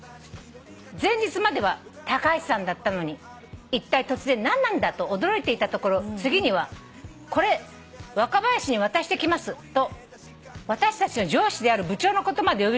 「前日までは『タカハシさん』だったのにいったい突然何なんだと驚いていたところ次には『これワカバヤシに渡してきます』と私たちの上司である部長のことまで呼び捨てに」